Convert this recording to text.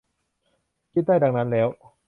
คิดได้ดังนั้นแล้ว